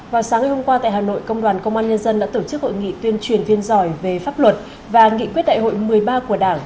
vào sáng ngày hôm qua tại hà nội công đoàn công an nhân dân đã tổ chức hội nghị tuyên truyền viên giỏi về pháp luật và nghị quyết đại hội một mươi ba của đảng